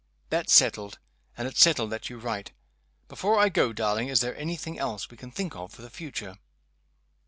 That's settled and it's settled that you write. Before I go, darling, is there any thing else we can think of for the future?"